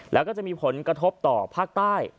แล้วก็จะมีผลกระทบต่อภาคใต้